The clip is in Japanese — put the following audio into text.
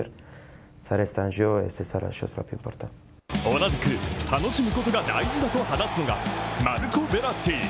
同じく楽しむことが大事だと話すのがマルコ・ヴェラッティ。